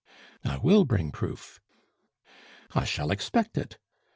"I will bring proof." "I shall expect it."